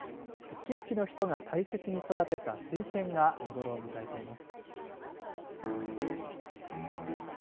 地域の人が大切に育てた水仙が見頃を迎えています。